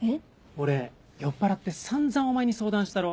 俺酔っぱらって散々お前に相談したろ？